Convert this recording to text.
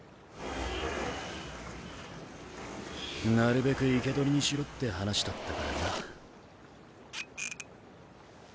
なるべく生け捕りにしろって話だったからな。